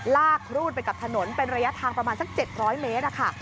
ลากครูดไปกับถนนเป็นระยะทางประมาณสัก๗๐๐เมตรค่ะ